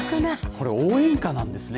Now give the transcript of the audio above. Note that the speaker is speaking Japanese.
これ、応援歌なんですね